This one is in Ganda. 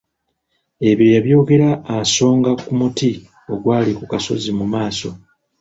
Ebyo yabyogera asonga ku muti ogwali ku kasozi mu maaso.